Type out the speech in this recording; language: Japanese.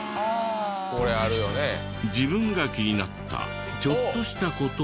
自分が気になったちょっとした事を。